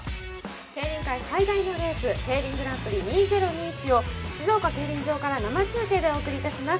競輪界最大のレース、ＫＥＩＲＩＮグランプリ２０２１を静岡競輪場から生中継でお送りいたします。